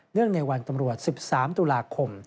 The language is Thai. ในวันตำรวจ๑๓ตุลาคม